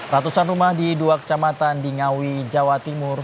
ratusan rumah di dua kecamatan di ngawi jawa timur